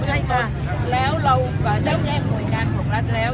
ใช่ค่ะแล้วเราเพราะเจ้าแห้งหน่วยงานของรัฐแล้ว